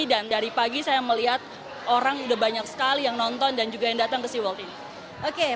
dan dari pagi saya melihat orang sudah banyak sekali yang nonton dan juga yang datang ke siwalt ini